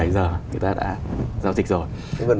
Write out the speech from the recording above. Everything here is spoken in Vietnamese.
bảy giờ người ta đã giao dịch rồi